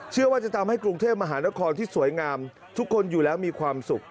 เชื่อว่าจะทำให้กรุงเทพมหานครที่สวยงามทุกคนอยู่แล้วมีความสุข